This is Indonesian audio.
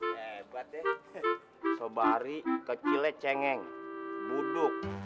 hebat deh sebari kecilnya cengeng buduk